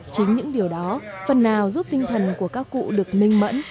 chính những điều đó phần nào giúp tinh thần của các cụ được minh mẫn